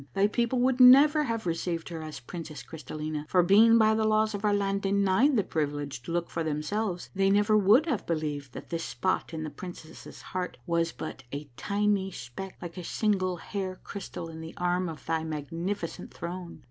Thy people would never have received her as Princess Crystallina, for, being by the laws of our land denied the privilege to look for themselves, they never would have believed that this spot in the princess's heart was but a tiny S[)eck like a single hair crystal in the arm of thy magnificent throne.